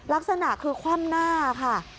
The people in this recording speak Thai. ลักษณะคือคว่ำหน้าค่ะ